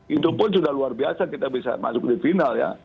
itu pun sudah luar biasa kita bisa masuk di final ya